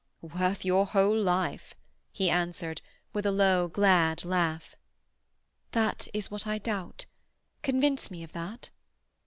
"Worth your whole life!" he answered, with a low, glad laugh. "That is what I doubt. Convince me of that."